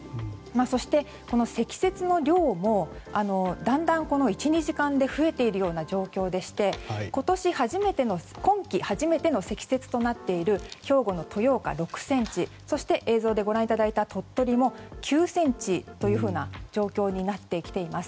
そして、積雪の量もだんだん、この１２時間で増えているような状況でして今季初めての積雪となっている兵庫の豊岡６ｃｍ映像でご覧いただいた鳥取も９ｃｍというふうな状況になってきています。